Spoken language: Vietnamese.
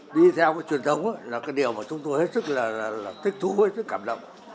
đi theo cái truyền thống là cái điều mà chúng tôi hết sức là thích thú hết cảm động